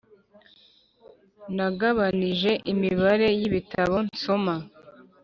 nagabanije imibare yibitabo nsoma.